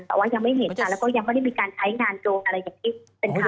แต่ว่ายังไม่เห็นค่ะแล้วก็ยังไม่ได้มีการใช้งานโจรอะไรอย่างที่เป็นข่าว